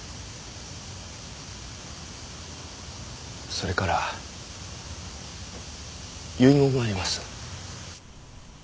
それから遺言があります。